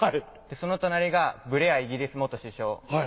その隣がブレアイギリス元首相。